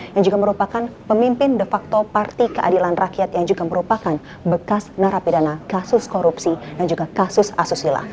yang juga merupakan pemimpin de facto parti keadilan rakyat yang juga merupakan bekas narapidana kasus korupsi dan juga kasus asusila